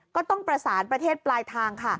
ก็ต้องประสานประเทศปลายทางค่ะ